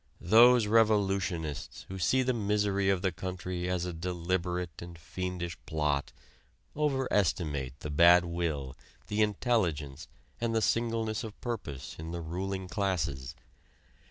Those revolutionists who see the misery of the country as a deliberate and fiendish plot overestimate the bad will, the intelligence and the singleness of purpose in the ruling classes.